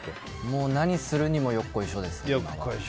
もう何するにもよっこいしょですね。